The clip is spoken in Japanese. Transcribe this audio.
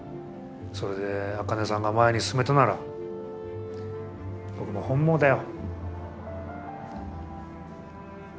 それで茜さんが前に進めたなら本望だよ。